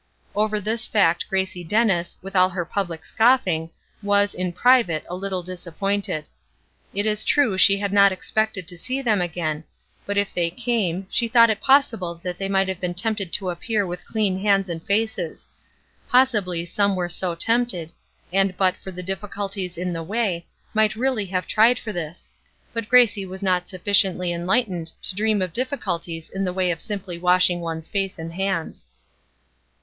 Over this fact Gracie Dennis, with all her public scoffing, was, in private, a little disappointed. It is true she had not expected to see them again; but if they came, she thought it possible that they might have been tempted to appear with clean hands and faces. Possibly some were so tempted, and but for the difficulties in the way, might really have tried for this. But Gracie was not sufficiently enlightened to dream of difficulties in the way of simply washing one's face and hands.